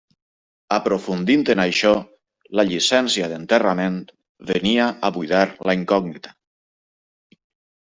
Aprofundint en això, la llicència d'enterrament venia a buidar la incògnita.